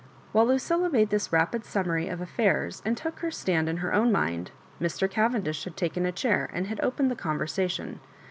While Lucilla made this rapid summary of affairs and took her stand in her own mind, Mr. Cavendish had taken a chair and had opened the conversation.